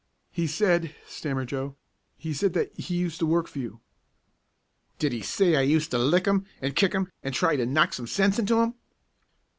"He said," stammered Joe, "he said that he used to work for you." "Did 'e say I used to lick 'im an' kick 'im, an' try to knock some sense into 'im?"